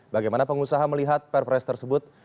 bagaimana pengusaha melihat perpres tersebut